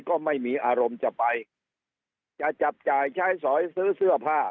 ก็ไม่มีอารมณ์จะไปจะจับจ่ายใช้สอยซื้อเสื้อผ้า